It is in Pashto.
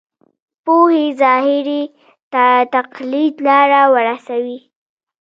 پوهې ظاهري تقلید لاره ورسوي.